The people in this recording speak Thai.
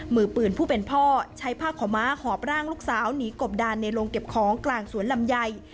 มือปืนผู้เป็นพ่อใช้ผ้าขาวม้าหอบร่างลูกสาวหนีกบดานในโรงเก็บของกลางสวนลำไย